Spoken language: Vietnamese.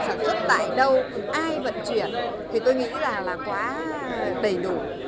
sản xuất tại đâu ai vận chuyển thì tôi nghĩ là quá đầy đủ